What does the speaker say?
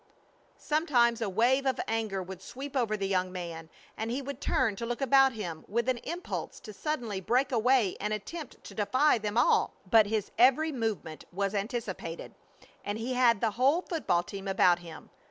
Sometimes a wave of anger would sweep over the young man, and he would turn to look about him with an impulse to suddenly break away and attempt to defy them all. But his every movement was anticipated, and he had the whole football team about him!